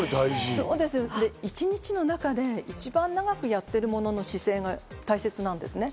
一日の中で、一番長くやっているものの姿勢が大切なんですね。